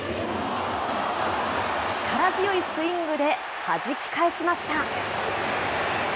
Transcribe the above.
力強いスイングではじき返しました。